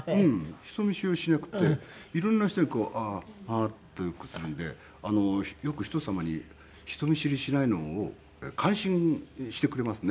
人見知りをしなくて色んな人にああああってよくするんでよく人様に人見知りしないのを感心してくれますね。